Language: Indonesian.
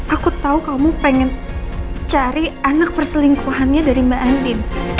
aku tahu kamu pengen cari anak perselingkuhannya dari mbak andin